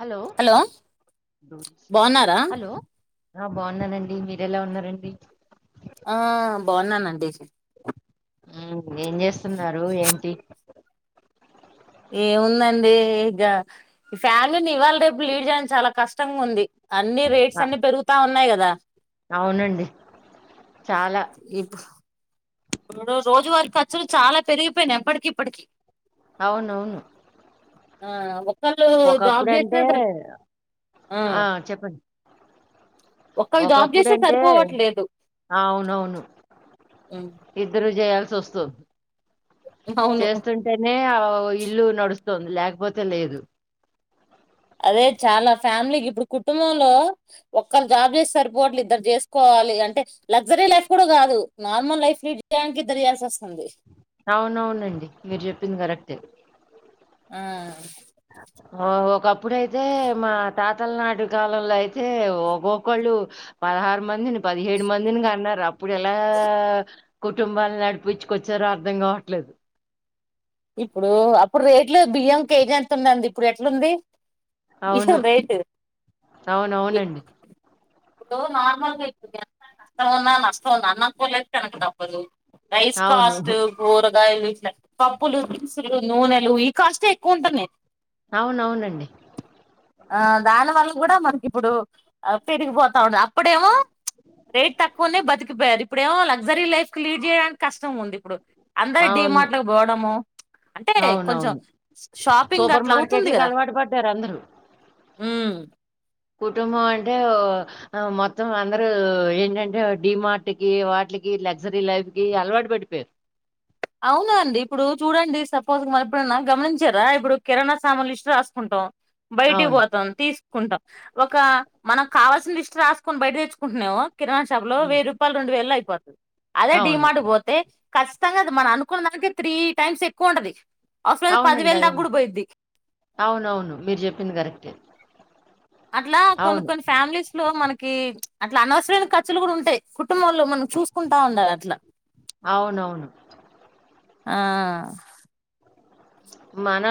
Hello బాగున్నారా hello ఆ బావున్నానండి మీరెలా ఉన్నారండి ఆ బావున్నానండి ఊ ఏం చేస్తున్నారు ఏంటి ఏముందండి ఇగ ఈ ఫ్యామిలీని ఇవాళ రే లీడ్ చేయడం చాలా కష్టంగా ఉంది అన్ని రేట్స్ ఆ, అన్ని పెరుగుతా ఉన్నాయి కదా రా అవునండి చాలా ఇప్పుడు రోజువారు ఖర్చులు చాలా పెరిగిపోయినాయి అప్పటికి ఇప్పటికీ అవునవును ఆ ఓక్ ఒకప్పుడు అంటే ఆ చెప్పండి ఒకళ్ళు జాబ్ ఒకప్పుడు చేస్తే అంటే సరిపోవట్లేదు అవునవును ఇద్దరు చేయాల్సి చూస్తారు అవును చేస్తుంటేనే ఇల్లు నడుస్తుంది లేకపోతే లేదు అదే చాలా ఫ్యామిలీకి ఇప్పుడు కుటుంబంలో ఒక్కరు జాబ్ చేస్తే సరిపోట్లే ఇద్దరు చేసుకోవాలి అంటే లగ్జరీ లైఫ్ కూడా కాదు నార్మల్ లైఫ్ లీడ్ చేయడానికి ఇద్దరు చేసేస్తుంది అవునవునండి మీరు చెప్పింది కరెక్టే ఆ ఒకప్పుడైతే మా తాతల నాటి కాలంలో అయితే ఒక్కొక్కళ్ళు పదహారు మందిని పదిహేడు మందిని కన్నారు అప్పు అప్పుడు ఎలా కుటుంబాన్ని నడిపించుకొచ్చారు అర్థం కావట్లేదు ఇప్పుడు అప్పుడు రేట్లు బియ్యం కేజీ ఎంత ఉంది ఇప్పుడు ఎట్లుంది అవును బియ్యం రేటు అవునవునండి ఇప్పుడు నార్మల్గా ఇప్పు ఎంత కష్టం ఉన్నా నష్టం ఉంద అన్న అప్పులు చేసి తినక తప్పదు రైస్ అవును. కాస్ట్ కూరగాయలు పబ్ ఉప్పులు దినుసులు నూనెలు ఈ కాష్టే ఎక్కువ ఉంటున్నాయి అవునవునండి ఆ దాని వల్ల కూడా మనకి ఇప్పుడు పెరిగిపోతా ఉండ అప్పుడేమో రేట్ తక్కువన్నా బతికిపోయారు ఇప్పుడేమో లగ్జరీ లైఫ్ కి లీడ్ చేయడానికి కష్టం ఉంది ఇప్పుడు అందరూ అవును. డిమార్ట్లకి పోవట్ అమ్మో అంటే కొంచెం అవునవును. షాపింగ్ సూపర్ అట్లా అవుతుంది మార్కెట్‌లకి కదా అలవాటు పడ్డారు అందరూ. ఊ కుటుంబం అంటే మొత్తం అందరూ ఏంటంటే డిమార్ట్కి వాటికి లగ్జరీ లైఫ్కి అలవాటు పడిపోయారు అవునా అండి ఇప్పుడు చూడండి సపోజ్ మన ఎప్పుడన్నా గమనించారా ఇప్పుడు కిరాణా సామాన్లు లిస్ట్ రాసుకుంటాం బయటికి అవును. పోతాం తీసు కుంటాం ఒక మనకు కావాల్సిన లిస్ట్ రాసుకొని బయట తెచ్చుకుంటున్నాము కిరాణా షాపులో హ్మ్. వెయ్యి రూపాయలు రెండు వేలలో అయిపోతుంది ప అదే డి అవును. మార్ట్ కి పోతే కష్టంగా మనం అనుకున్న దానికి త్రీ టైమ్స్ ఎక్కువ ఉండది అసలుతే అవునండి. పదివేలు అదే. దాగ కూడా పోయిద్ది అవునవును మీరు చెప్పింది కరెక్టే అట్లా కొన్ని అవును. కొన్ని ఫ్యామిలీస్ లో మనకి అట్లా అనవసరమైన ఖర్చులు కూడా ఉంటాయి కుటుంబంలో మనం చూసుకుంటా ఉండాలి అట్లా అవునవును ఆ మన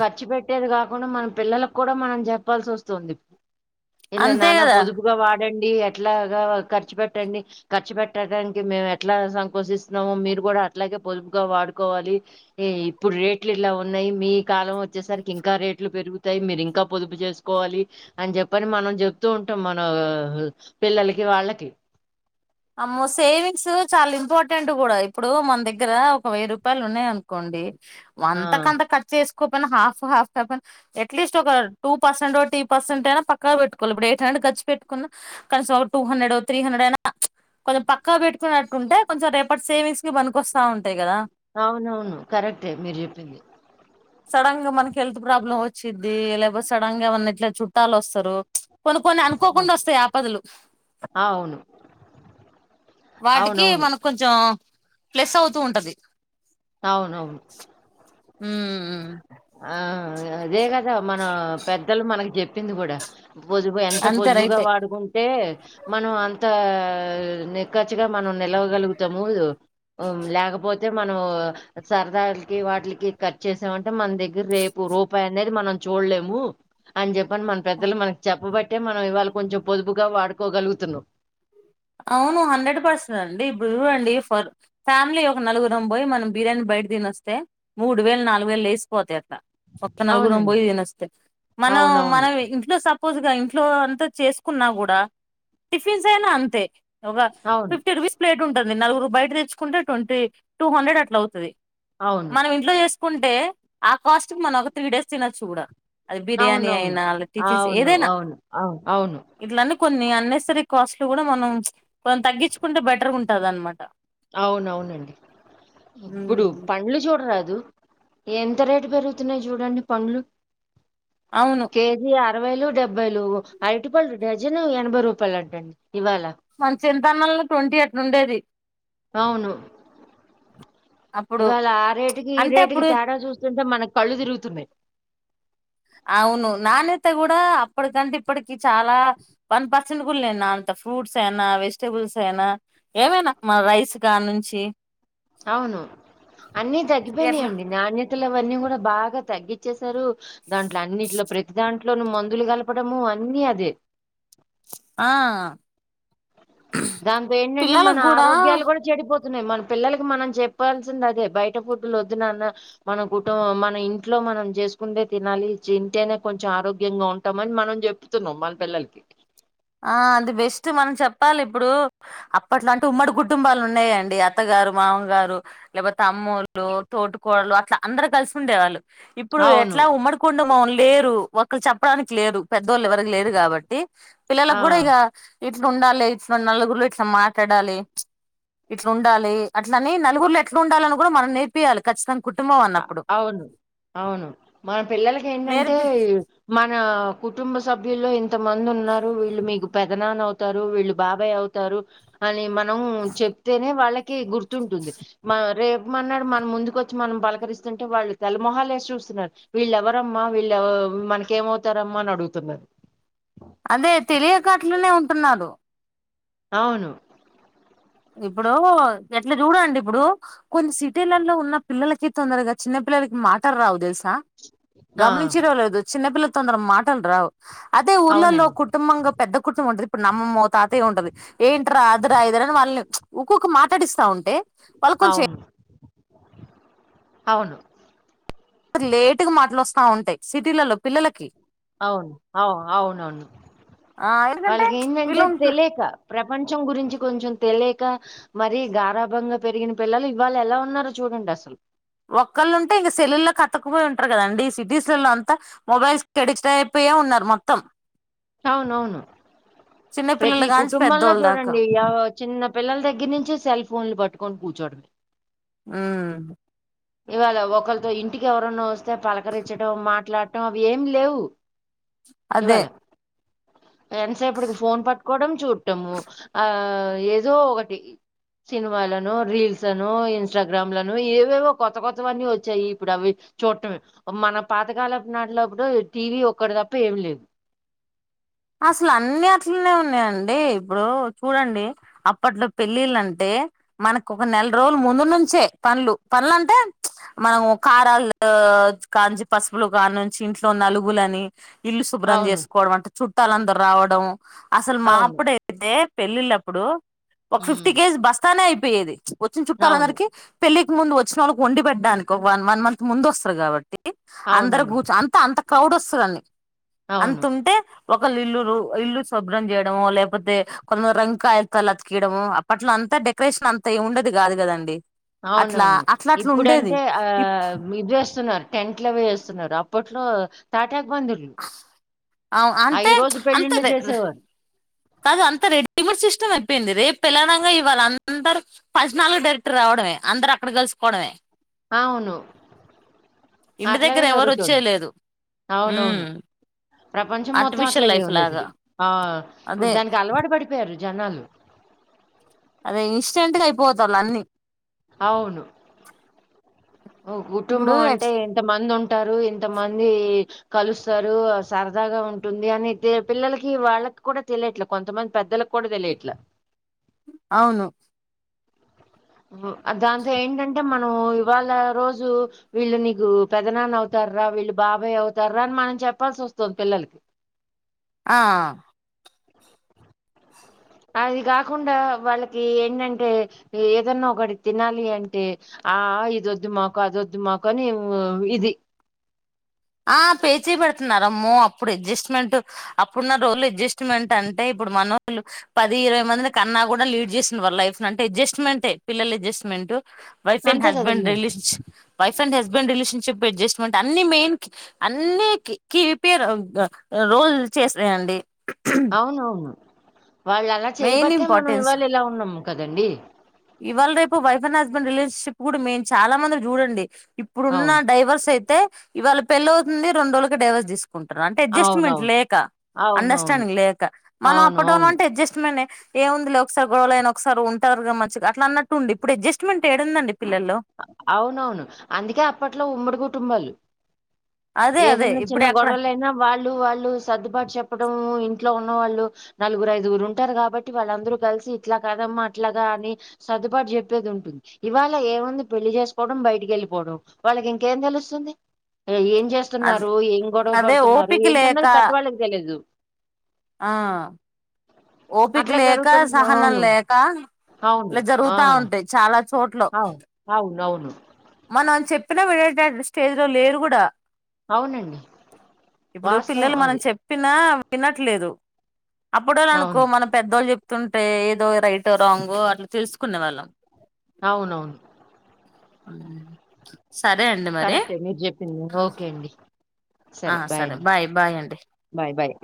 ఖర్చు పెట్టి తిట్టేది కాకుండా మన పిల్లలకు కూడా మనం చెప్పాల్సి వస్తుంది ఇల అంతే నానా కదా పొదుపుగా వాడి డి ఎట్లాగా ఖర్చు పెట్టండి ఖర్చు పెట్టడానికి మేము ఎట్లా సంకోచిస్తున్నామో మీరు కూడా అట్లాగే పొదుపుగా వాడుకోవాలి ఇప్పుడు రేట్ రట్లు ఇలా ఉన్నాయి మీ కాలం వచ్చేసరికి ఇంకా మీ మీ కాలం వచ్చాసరికి ఇంకా రేట్లు పెరుగుతాయి మీరు ఇంకా పొదుపు చేసుకోవాలి అని చెప్పని మనం చెప్తూ ఉంటాం మన పిల్లలకి వాళ్ళకి అమ్మో సేవింగ్స్ చాలా ఇంపార్టెంట్ కూడా ఇప్పుడు మన దగ్గర ఒక వెయ్యి రూపాయలు ఉన్నాయి అనుకోండి ఆ! అంతకంత ఖర్చ చేసు కోకపోయినా హాఫ్ హాఫ్పెన్ ఎట్లీస్ట్ ఒక టూ పర్సెంటో త్రీపర్సెట్ అయినా పక్క పెట్టుకోవి ఇప్పుడు ఎయిట్ హండ్రెడ్ఖర్చ్చి పెట్టుకున్నా కనీసం ఒక టూ హండ్రెడో త్రీ హండ్రెడో అయినా కొంచెం పక్కగా పెట్టుకున్నట్టుంటే కొంచెం రేపటి సేవింగ్స్ కి బనికికొస్తా ఉంటాయి కదా అవునవును కరెక్టే మీరు చెప్పింది సడన్ గా మనకి హెల్త్ ప్రాబ్లమ్ వచ్చిది లేపో సడన్ గా ఏమన్నా ఎట్లా చుట్టాలు వస్తారు కొన్ని కొన్ని అవును. అనుకోకుండా వస్తాయి ఆపదలు అవును. వాటికి అవునవును. మనం కొంచెం ప్లస్ అవుతూ ఉంటది అవునవును ఉ ఊ ఆ అదే గద మన పెద్దలు మనకి చెప్ప పిందు కూడా పొదుపు ఎంత అంతే పొదుపుగా రైటే వాడుకుంటే మనం అంత నిక్కచ్చగా మనం నిలవగలుగుతాము లేకపోతే మనం సరదకి వాటిలకి కట్ చేసామంటే మన దగ చూడలేము అని చెప్ప మ మన పెద్దలు మన చెప్పబట్టి అంటే మనం ఇవాళ కొంచెం పొదుపుగా వాడుకోగలుగుతున్నాం అవును హండ్రెడ్ పర్సెంట్ అండి ఇప్పుడు చూడండి ఫర్ ఫ్యామిలీ ఒక నలుగురం పోయి మనం బిర్యానీ బయట తినొస్తే మూడు వేలు నాలుగు వేలు లేసిపోతాయి ఒక్క నలుగురం అవునండి పోయి తినేస్తే మనం అవునవును మనం ఇంట్లో స సపోజ్గా ఇంట్లో అంతా చేసుకున్నా కూడా టిఫిన్స్ అయినా అంతే ఒక అవును ఫిఫ్టీ రుపీస్ ప్లేట్ ఉంట నలుగురు బయట తెచ్చుకుంటే ట్వంటీ టూ హండ్రెడ్ అట్లా అవుతుది అవును మనం ఇంట్లో చేసుకుంటే అంటే ఆ కాస్ట్ మనం ఒక త్రీ డేస్ తినచూ అది బిర్యానీ అవునవును అయినా అ టిఫిన్స్ అవును ఏదైనా అవును అవును అవును. ఇట్లన్న కొన్ని అన్నెసరీ కాస్ట్లు కూడా మనం కొన్ని తగ్గించుకుంటే బెటర్ ఉంటది అనమాట అవునవునండి ఇప్పుడు ఉమ్ పండ్లు చూడరాదు ఎంత రేటు పెరుగుతున్నాయి. చూడండి పండ్లు అవును కేజీ ఆ అరవైలు డెబ్బైలు ఐదు రూపాయలులు డజన్ ఎనభై రూపాయలు అంటండి ఇవాళ మన చింతనలు ట్వంటీ ఎట్ ఉండేది అవును అప్పుడు ఇవాళ ఆ రేటుకి ఈ అంటే రేటుకి అప్పుడు తేడా చూస్తుంటే మనకు కళ్ళు తిరుగుతున్నాయి. అవును నానత కూడా అప్పటికంటే ఇప్పటికి చాలా వన్ పర్సెంట్ కుళ్ లేను. నా అంత ఫ్రూట్స్ అయినా వెజిటబుల్స్ అయినా ఏమైనా మన రైస్ కా నుంచి. అవును అన్నీ ఎట్లా తగ్గిపోయినాయంండి నాణ్య తులు అవన్నీ కూడా బాగా తగ్గిచ్చసారు. దాంట్లో అన్నిట్లో ప్రతి దాంట్లోన మందులు కలపడము అన్నీ అదే. ఆ దాంతో ఏంటంటే మన పిల్లలకు కూడా ఆరోగ్యాలు కూడా చెడిపోతయి న్నా మన పిల్లలకి మనం చెప్పాల్సింది అదే. బయట ఫుడ్లు వద్దునన్న మన కుటుంబం మన ఇంట్లో మనం చేసుకుంటే తినాలి తింటేనే కొంచెం ఆరోగ్యంగా ఉంటాం. అని మనం చెప్తున్నాం మన పిల్లలకి ఆ అది బెస్ట్ మనం చెప్పాలి. ఇప్పుడు అప్పట్లాంటే ఉమ్మడి కుటుంబాలు ఉన్నాయంండి. అత్తగారు మామ గారు లేకపోతే తమ్ముళ్లు తోటుకోడలు అట్ అందరు కలిసి ఉండేవాళ్ళు ఇప్పుడు అవును ఎట్లా ఉమ్మడికుండ మన్ లేరు ఒకరు చెప్పడానికి లేరు పెద్దవాళ్ళు ఎవరికి లేరు కాబట్టి ఆ పిల్లలకు కూడా ఇక ఇట్లా ఉండాలి ఇట్లా నలుగురిలో ఇట్లా మాట్లాడాలి ఇట్లా ఉండాలి. అట్లని నలుగురిలో ఎట్లా ఉండాలని కూడా మనం నేర్పించయాలి. ఖచ్చితంగా కుటుంబం అన్నప్పుడు అవును అవును మన పిల్లలకి ఏంటంటే నేర్పి మన కుటుంబ సభ్యుల్లో ఇంత మంది ఉన్నారు. వీళ్ళు మీకు పెదనాన్న అవుతారు వీళ్ళు బాబాయ్ అవుతారు అని మనం చెప్తేనే వాళ్ళకి గుర్తుంటుంది. రేపున్నాడు మన ముందుకొచ్చి మన కరిస్తుంటే వాళ్ళు తలమొహాలు వేసి చూస్తున్నారు. వీళ్ళు ఎవరమ్మా వీళ్ళువ మనక ఏమవుతారమ్మా అని అడుగుతున్నారు. అదే తెలియ కాట్లునే ఉంటున్నాడు అవును ఇప్పుడు ఎట్లా చూడండి. ఇప్పుడు కొన్ని సిటీలలో ఉన్న పిల్లలకి తొందరగా చిన్న పిల్లలకి మాటలు రావు తెలుసు ఆ గమనించి రవలేదు చిన్నపిల్ల తొందర మాటలు రావు అదే ఊర్లలో అవునండి కుటుంబంగా పెద్ద కుటుంబం ఉంటది. ఇప్పుడు నమ్మమ్మ తాత ఉంటది ఏంటరా అదరా అదరాని వాళ్ళని. ఉకుకు మా కట్టడిస్తా ఉంటే వాళ్ళు కొంచె అవును అవును ఆ ఉంటాయి సిటీలలో పిల్లలకి అవును అవు అవునవును ఆ ఎందుకంటే వాళ్ళకి ఏంటంటే వీళ్ళు తెలియక ప్ర పంచం గురించి కొంచెం తెలియక మరి గారాభంగా పెరిగిన పిల్లలు ఇవాళ ఎలా ఉన్నారో చూడండి అసలు ఒక్కళ్ళు ఉంటే ఇంక సెల్లులకు అతకపోయి ఉంటారు కదాండి సిటీస్లలో అంతా మొబైల్స్ గడిచ అయిపోయ ఉన్నారు మొత్తం అవునవును చిన్న ప్రతి పిల్లలు కాంచి కుటుంబంలో పెద్దోళ్ళ దాకా చూడండి ఎవర్ చిన్న పిల్లల దగ్గర నుంచి సెల్ ఫోన్లు పట్టుకొని కూర్చోడమే ఆ ఇవాళ ఒకరితో ఇంటికి ఎవరైన్నా వస్త పలకరించడం మాట్లాడ ఇప్పుడు అవి ఏం లేవు అదే ఇవాళ ఎంతసేపటికి ఫోన్ పట్టుకోవడం చూడటము ఆ ఏదో ఒకటి సినిమాలను రీల్స్ను ఇన్స్టాగ్రామ్ లను ఏవేవో కొత్త కొత్తవన్నీ వచ్చాయి ఇప్పుడు అవి చూడటమే మన పాతకాలపు నాటిలోప్పుడు టీవీ ఒక్కటి తప్ప ఏమి లేదు అసలు అన్ని అట్లనే ఉన్నాయండి ఇప్పుడు చూడండి అప్పట్లో పెళ్ళిళ్ళంటే మనకు ఒక నెల రోజులు ముందు నుంచే పనులు పనుల అంటే మనం కారాలు కా నుంచి పసుపులు కా నుంచి ఇంట్లో నలుగులని ఇల్లు శుభ్రం అవును చేసుకోవడం అంట చుట్టాలందరు రావడం అసలు అవును మాప్పుడు అయితే పెళ్ళిళ్ళప్పుడు ఒక ఫిఫ్టీ ఉమ్ కేజ్ బస్తానే అయి పోయేది వచ్చిన అవును చుట్టాలందరికి పెళ్లి ముందు ముందు వచ్చిన వాళ్ళకి వండి పెట్టడానికా ఒక వన్ వన్ మంత్ ముందు వస్తారు కాబట్టి అందరు అవునండి కూర్చు అంత అంత క్రౌడస్తులన్ని అవును అంతుంటే ఒకల్లు ఇల్లు ఇల్లు శుభ్రం చేయడము లేకపోతే కొంతమంది రంగు కాయతాలతికియడము అప్పట్లో అంత డెకరేషన్ అంత ఉండదు కాదు కదండి అట్లా అవునవును అట్లా అట్లా ఉండేది ఇప్పుడంటే ఆ ఇప్ ఇది చేస్తున్నారు టెంట్ లు అవి వేస్తున్నారు అప్పట్లో తాట్ తాటాకు పందిర్లు ఆ అంటే ఐదు రోజు అంత పెళ్లిళ్ళు రె చేసేవారు కాదు అంత రెడీమేడ్ సిస్టమ్ అయిపోయింది రేపు పెళ్లి అనంగా ఇవ్వళ అందరు ఫంక్షనల్ కి డైరెక్ట్ గా రావడమే అందరు అక్కడ కలుసుకోవడమే అవును ఇంటి అట్లాగే దగ్గర ఎవరు జరుగుతుంది వచ్చేయలేదు ఉమ్ అవునవును ప్రపంచం మొత్తం ఆర్టిఫిషియల్ అట్లాగే లైఫ్ ఉంది లాగా ఇప్పుడు ఆ ఇప్పుడు అదే దానికి అలవాటు పడిపోయారు జలం అదే ఇన్స్టెంట్ గా అయిపోత వాళ అన్నిీ అవును ఇప్పుడు కుటుంబం అంటే ఎంత మంది ఉంటారు. ఇంత మంది కలుస్తారు సరదాగా ఉంటుంది. అని పిల్లలకి వాళ్ళకి కూడా తెలియట్లే కొంతమంది పెద్దలకు కూడా తెలియట్లా. అవును దాంతో ఏంటంటే, మనం ఇవాళ రోజు వీళ్ళు నీకు పెదనాన్న అవుతార రా వీళ్ళు బాబాయ్ అవుతారా అని మనం చెప్పాల్సి వస్తుంది. పిల్లలకి ఆ అది కాకుండా, వాళ్ళకి ఏంటంటే ఏదన్నా ఒకటి తినాలి అంటే ఆ ఇది వద్దు మాకు అది వద్దు మాకు అని ఇది ఆ పేచీ పెడుతున్నారమ్మో. అప్పుడు అడ్జస్ట్మెంట్ అప్పుడున్న ఆ తెచ్చిపెడుతున్నారమ్మో అప్పుడు రోజులు అడ్జస్ట్మెంట్. అంటే ఇప్పుడు మనోలు పది ఇరవై మంది కన్నా కూడా లీడ్ చేస్తున్న వాళ్ళ లైఫ్ లో అంటే అడ్జస్ట్మెంటే పిల్లల అడ్జస్ట్మెంట్. వైఫ్ అండ్ అంతే హస్బండ్ కదండి relationship wife and husband relationship adjustment అన్ని మెయిన్ అన్ని కి పేరు రోజులు చేసాయండి. అవునవును వాళ్ళు అలా మెయిన్ చేయబట్టే మనం ఇంపార్టెన్స్ ఇవాళ ఇలా ఉన్నాము కదండీ ఇవాళ రేపు వైఫ్ అండ్ హస్బెండ్ రిలేషన్షిప్ కూడా మేము చాలా మంది చూడండి ఇప్పుడున్న అవును. డ్రైవర్స్ అయితే, ఇవాళ పెళ్లి అవుతుంది రెండ్రోజులకి డైవర్సస్ తీసుకు అంటే అడ్జస్ట్మెంట్ అవునవును. లేక అవునవును. అండర్స్టాండింగ్ లేక మనం అవును. అప్పటి వళ్ల అవును. అంటే అడ్జస్ట్మెంట్ ఏముంది లే ఒకసారి గొవలైనా ఒకసారి ఉంటారుగా మ అట్లా అన్నట్టు ఉంది ఇప్పుడు అడ్జస్ట్మెంట్ ఏడుందండి పిల్లల్లో అవునవును అందుకే అప్పట్లో ఉమ్మడి కుటుంబాలు అదే అదే ఏదైన్నా చిన్న ఇప్పుడే అక్కడ గొడవలైనా వాళ్ళు వాళ్ళు సర్దుబాటు చెప్పడం ఇ ఇట్లో ఉన్న వాళ్ళు నలుగురు ఐదుగురు ఇంట్లో ఇంట్లో ఉన్నవాళ్లు నలుగురు ఐదుగురు ఉంటారు ఉంటారు. కాబట్టి వాళ్ళ అందరు కలిసి ఇట్లా కదమ్మా అట్లాగా అని సర్దుబాటు చెప్పేది ఉంటుంది. ఇవాళ ఏముంది పెళ్లి చేసుకోవడం బయటికి వెళ్ళిపోవడం వాళ్ళకి ఇంకేం తెలుస్తుంది. ఏ అదే చేస్తున్నారు ఏం గొడవ అదే పడుతున్నారు ఓపిక లేక ఏంటన్నది పెద్దవాళ్ళకి తెలియదు ఆ ఓపిక అట్లా లేక జరుగుతుంది సహనం అవును. లేక ఇలా ఆ! జరుగుత ఉంటాయి చాలా చోట్ల అవు అవును అవును మనం చెప్పిన వినేటటు స్టేజ్ లో లేరు కూడా అవునండి. ఇప్పుడు వాస్తవం పిల్లలు మనం అది చెప్పినా తినట్లేదు అప్పుడ వాళ అనుకో అవును మనం పెద్దవాళ్ళు చెప్ తుంటే ఏదో రైట్ రాగ్ అట్లా తెలుసుకునే వాళ్ళం అవునవును సరే అండి మరి కరెక్టే మీరు చెప్పింది ఓకే అండి ఆ సరే బాయ్ అండి బాయ్ అండి బాయ్ బాయ్